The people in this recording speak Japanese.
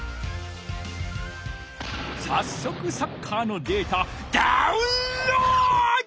さっそくサッカーのデータダウンロード！